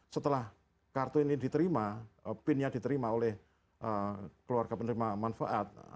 setelah kartu ini diterima pinnya diterima oleh keluarga penerima manfaat